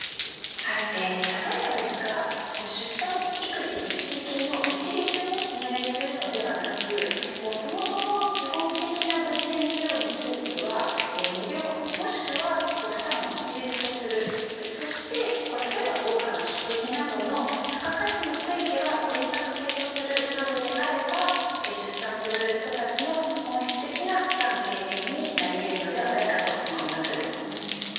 例えばですが出産育児一時金を一律に値上げするのではなくそもそも基本的な分娩費用については無料、もしくは負担を一律とするそして豪華な食事などの付加価値については選択制とする、などであれば出産する人たちの本質的な負担軽減になり得るのではないかと思います。